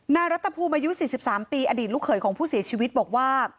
รัฐภูมิอายุ๔๓ปีอดีตลูกเขยของผู้เสียชีวิตบอกว่า